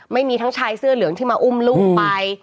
ไม่มีทั้งชายเสื้อเหลืองที่มาอุ้มลูกไป